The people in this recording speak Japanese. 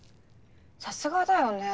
さすがだよね。